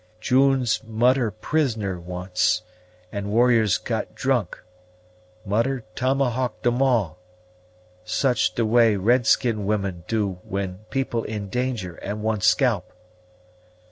June's moder prisoner once, and warriors got drunk; moder tomahawked 'em all. Such de way red skin women do when people in danger and want scalp."